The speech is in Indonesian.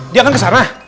dia kan ke sana